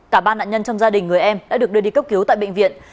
cả ba nạn nhân trong gia đình người em đã được đưa đi cấp cứu tại bệnh viện